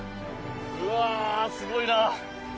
うわー、すごいな。